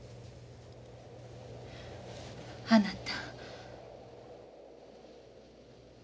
あなた。